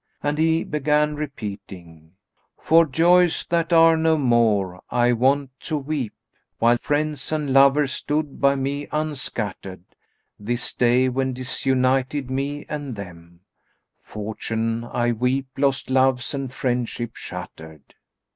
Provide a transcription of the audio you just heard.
And he began repeating, "For joys that are no more I wont to weep, * While friends and lovers stood by me unscattered; This day when disunited me and them * Fortune, I weep lost loves and friendship shattered."